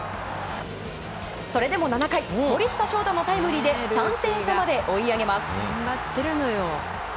それでも７回森下翔太のタイムリーで３点差まで追い上げます。